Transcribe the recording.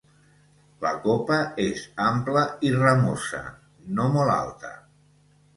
la copa és ampla i ramosa, no molt alta.